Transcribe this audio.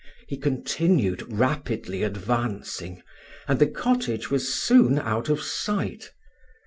He continued rapidly advancing, and the cottage was soon out of sight.